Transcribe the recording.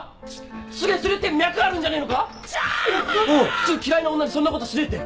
普通嫌いな女にそんなことしねえって！